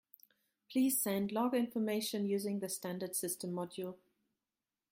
Please send log information using the standard system module.